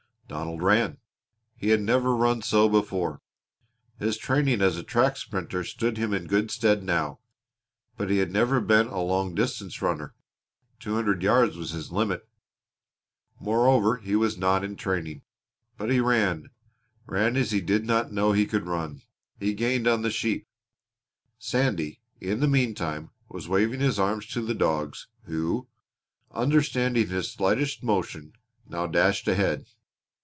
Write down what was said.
Donald ran. He had never run so before. His training as a track sprinter stood him in good stead now. But he had never been a long distance runner. Two hundred yards was his limit. Moreover he was not in training. But he ran ran as he did not know he could run. He gained on the sheep. Sandy, in the meantime, was waving his arms to the dogs who, understanding his slightest motion, now dashed ahead.